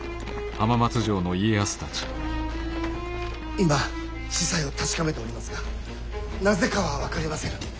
今子細を確かめておりますがなぜかは分かりませぬ。